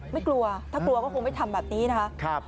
ไม่กลัวถ้ากลัวก็คงไม่ทำแบบนี้นะคะ